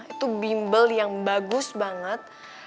itu bimbel yang bagus banget